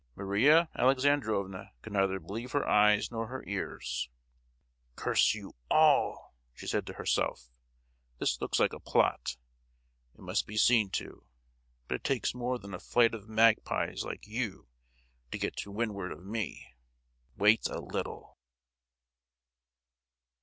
Maria Alexandrovna could neither believe her eyes nor her ears. "Curse you all!" she said to herself. "This looks like a plot—it must be seen to; but it takes more than a flight of magpies like you to get to windward of me. Wait a little!!"